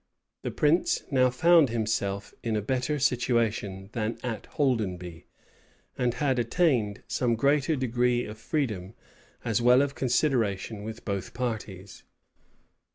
That prince now found himself in a better situation than at Holdenby, and had attained some greater degree of freedom as well as of consideration with both parties.